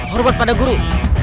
horbat pada guru